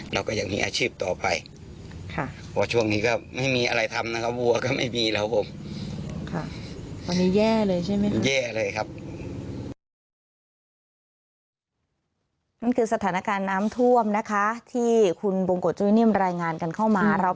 เราก็จะมีอาชีพต่อไปเพราะว่าช่วงนี้ก็ไม่มีอะไรทำนะครับ